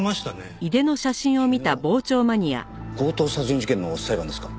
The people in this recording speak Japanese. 昨日強盗殺人事件の裁判ですか？